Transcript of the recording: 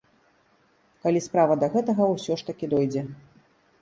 Калі справа да гэтага ўсё ж такі дойдзе.